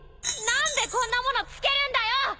何でこんなものつけるんだよ！